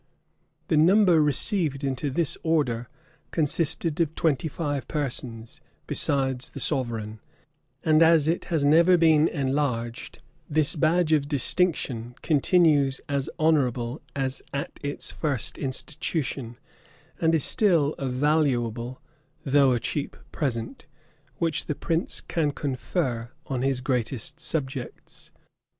The number received into this order consisted of twenty five persons, besides the sovereign; and as it has never been enlarged, this badge of distinction continues as honorable as at its first institution, and is still a valuable though a cheap present, which the prince can confer on his greatest subjects.